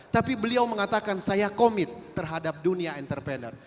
tapi beliau mengatakan saya komit terhadap dunia entrepreneur